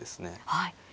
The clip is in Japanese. はい。